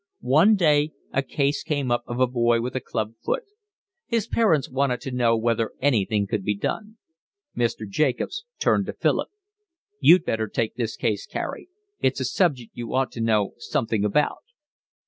One day a case came up of a boy with a club foot. His parents wanted to know whether anything could be done. Mr. Jacobs turned to Philip. "You'd better take this case, Carey. It's a subject you ought to know something about."